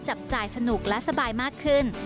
จับจ่ายสนุกและสบายมากขึ้น